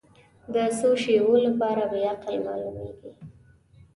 د څو شیبو لپاره بې عقل معلومېږي.